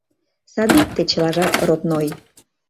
Садикте чылажат родной!